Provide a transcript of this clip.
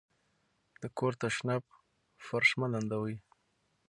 د کور تشناب فرش مه لندوئ.